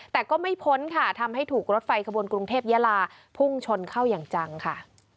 แต่ก็ไม่พ้นค่ะทำให้ถูกรถไฟขบวนกรุงเทพยาลาพุ่งชนเข้าอย่างจังค่ะ